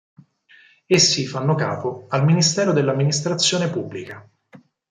Essi fanno capo al Ministero dell'Amministrazione Pubblica.